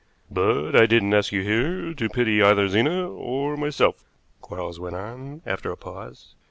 "But I didn't ask you here to pity either Zena or myself," Quarles went on, after a pause.